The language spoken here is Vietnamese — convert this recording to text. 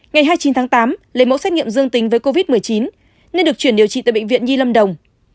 ngày hai mươi chín tháng tám lấy mẫu xét nghiệm dương tính với covid một mươi chín nên được chuyển điều trị tại bệnh viện nhi lâm đồng